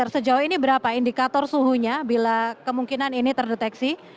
sejauh ini berapa indikator suhunya bila kemungkinan ini terdeteksi